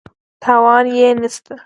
تاوان یې نه شته.